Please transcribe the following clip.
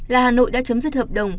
là hà nội đã chấm dứt hợp đồng